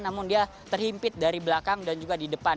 namun dia terhimpit dari belakang dan juga di depan